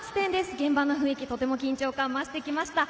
現場の雰囲気、緊張感が増してきました。